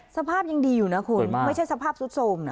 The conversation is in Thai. สภาพยังดีอยู่นะคุณไม่ใช่สภาพสุดโสมนะ